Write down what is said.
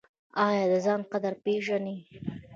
ایا د ځان قدر پیژنئ؟